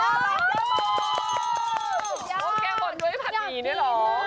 โอเคหมดด้วยผัดหมี่ด้วยหรอ